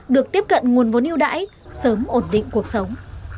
được tiếp cận nguồn vốn yêu đãi sớm ổn định cuộc sống